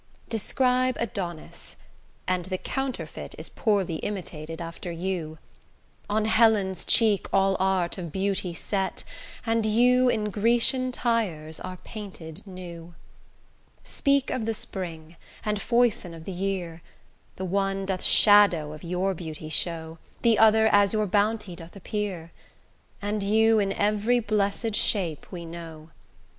Describe Adonis, and the counterfeit Is poorly imitated after you; On Helen's cheek all art of beauty set, And you in Grecian tires are painted new: Speak of the spring, and foison of the year, The one doth shadow of your beauty show, The other as your bounty doth appear; And you in every blessed shape we know.